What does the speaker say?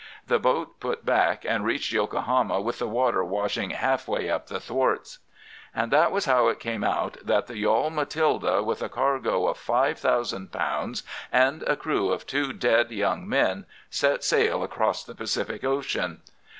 The boat put back, and reached Yokohama with the water washing half way up to the thwarts. "And that was how it came that the yawl Matilda, with a cargo of five thousand pounds and a crew of two dead young men, set sail across the Pacific Ocean.